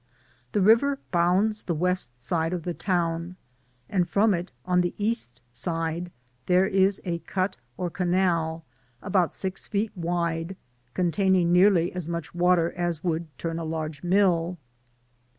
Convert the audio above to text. This river bounds the west side of the town, and from it, on the east side, there is a cut or canal about six feet wide, containing as much water as would turn a large mill.